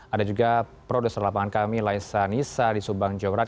ada juga produser lapangan kami laisa nisa di subang jawa barat